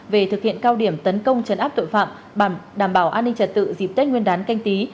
về thực hiện cao điểm tấn công chấn áp tội phạm đảm bảo an ninh trật tự dịp tết nguyên đán canh tí